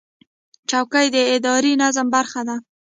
چوکۍ د اداري نظم برخه ده.